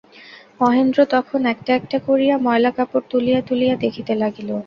মহেন্দ্র তখন একটা একটা করিয়া ময়লা কাপড় তুলিয়া তুলিয়া দেখিতে লাগিল।